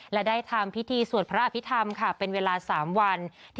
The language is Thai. และได้ทำพิธีสวดพระอภิษฐรรมเป็นเวลา๓วัน